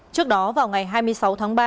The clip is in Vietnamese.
trước đó vào ngày hai mươi sáu tháng ba